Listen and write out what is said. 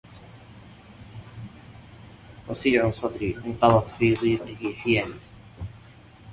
وسيع صدري انقضت في ضيقه حيلي